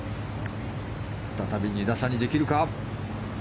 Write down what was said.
再び２打差にできるか。